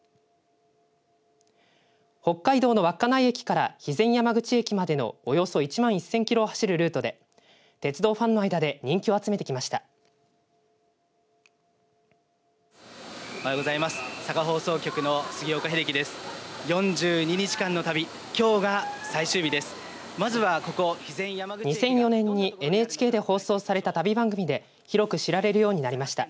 北海道の稚内駅から肥前山口駅までのおよそ１万１０００キロを走るルートで鉄道ファンの間で人気を集めてきました。